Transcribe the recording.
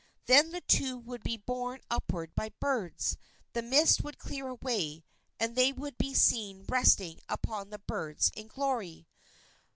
Then the two would be borne upward by birds, the mist would clear away, and they would be seen resting upon the birds in glory.